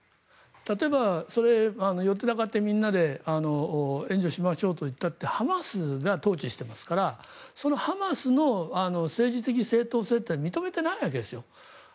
例えば、それ寄ってたかって、みんなで援助しましょうといったってハマスが統治してますからそのハマスの政治的正統性は認めていないわけですよ。